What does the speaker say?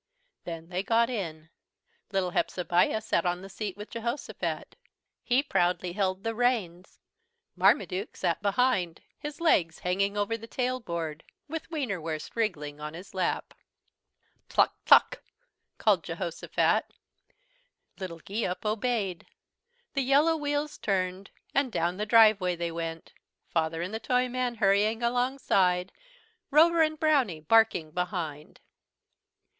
Then they got in. Little Hepzebiah sat on the seat with Jehosophat. He proudly held the reins. Marmaduke sat behind, his legs hanging over the tail board, with Wienerwurst wriggling on his lap. "Tluck, tluck," called Jehosophat. Little Geeup obeyed. The yellow wheels turned, and down the driveway they went, Father and the Toyman hurrying alongside, Rover and Brownie barking behind.